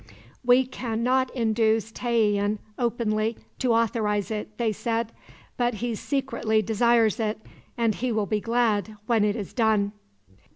"We can not induce Tayian openly to authorize it," they said, "but he secretly desires it, and he will be glad when it is done."